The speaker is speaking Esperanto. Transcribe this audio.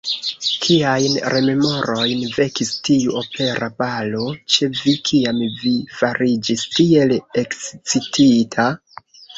Kiajn rememorojn vekis tiu opera balo ĉe vi, kiam vi fariĝis tiel ekscitita?